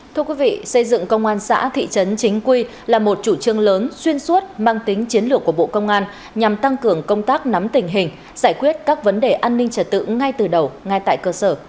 thưa quý vị xây dựng công an xã thị trấn chính quy là một chủ trương lớn xuyên suốt mang tính chiến lược của bộ công an nhằm tăng cường công tác nắm tình hình giải quyết các vấn đề an ninh trật tự ngay từ đầu ngay tại cơ sở